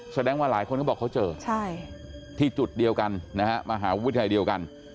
แสดงว่าหลายคนก็บอกเขาเจอที่จุดเดียวกันนะฮะมหาวิทยาลัยเดียวกัน